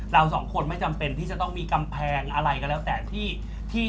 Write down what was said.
เราสองคนไม่จำเป็นที่จะต้องมีกำแพงอะไรก็แล้วแต่ที่